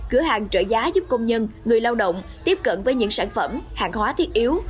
cửa hàng trợ giá giúp công nhân người lao động tiếp cận với những sản phẩm hàng hóa thiết yếu